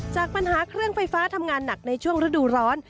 จากปัญหาเครื่องไฟฟ้าทำงานหนักในช่วงฤดูร้อน